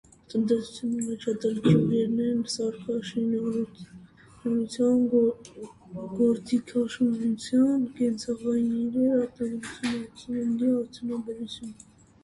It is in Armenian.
Տնտեսության առաջատար ճյուղերն են սարքաշինությունը, գործիքաշինությունը, կենցաղային իրերի արտադրությունը, սննդի արդյունաբերությունը։